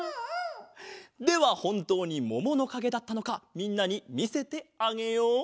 ではほんとうにもものかげだったのかみんなにみせてあげよう。